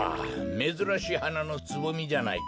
めずらしいはなのつぼみじゃないか。